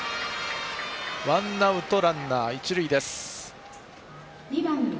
ワンアウトランナー、一塁です。